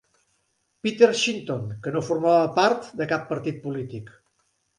Peter Shinton, que no formava part de cap partit polític.